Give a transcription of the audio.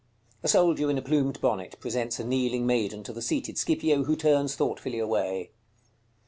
A soldier in a plumed bonnet presents a kneeling maiden to the seated Scipio, who turns thoughtfully away.